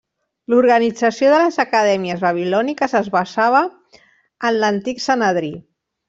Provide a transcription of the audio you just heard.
L'organització de les acadèmies babilòniques es basava en l'antic Sanedrí.